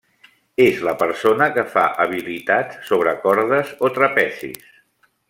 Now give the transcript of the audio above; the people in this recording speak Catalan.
És la persona que fa habilitats sobre cordes o trapezis.